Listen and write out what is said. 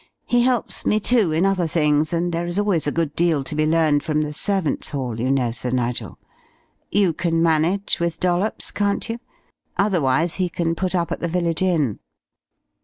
He helps me, too, in other things, and there is always a good deal to be learned from the servants' hall, you know, Sir Nigel.... You can manage with Dollops, can't you? Otherwise he can put up at the village inn."